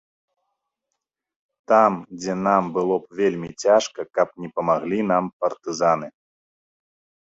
Там, дзе нам было б вельмі цяжка, каб не памаглі нам партызаны.